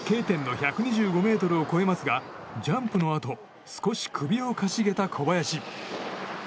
Ｋ点の１２５ｍを越えますがジャンプのあと少し首をかしげた小林。